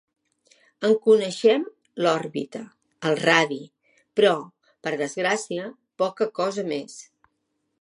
En coneixem l'òrbita, el radi, però, per desgràcia, poca cosa més.